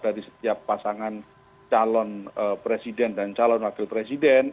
dari setiap pasangan calon presiden dan calon wakil presiden